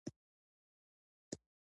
څو دانې څلور سوه څلور بسونه راغلل.